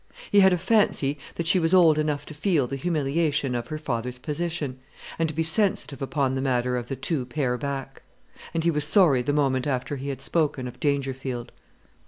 He had a fancy that she was old enough to feel the humiliation of her father's position, and to be sensitive upon the matter of the two pair back; and he was sorry the moment after he had spoken of Dangerfield.